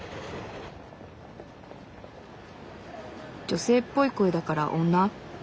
女性っぽい声だから女？